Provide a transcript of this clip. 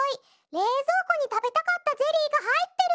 れいぞうこにたべたかったゼリーがはいってる。